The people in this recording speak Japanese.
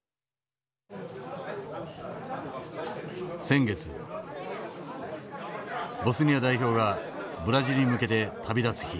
先月ボスニア代表がブラジルに向けて旅立つ日。